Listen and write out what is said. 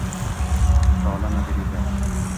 Mutolaa madaniyati